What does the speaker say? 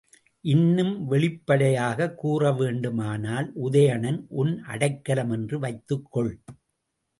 இன்னும் வெளிப்படையாகக் கூறவேண்டுமானால், உதயணன் உன் அடைக்கலம் என்று வைத்துக்கொள்.